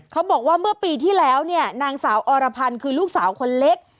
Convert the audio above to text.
เขาบอกว่าเมื่อปีที่แล้วเนี่ยนางสาวอรพันธ์คือลูกสาวคนเล็ก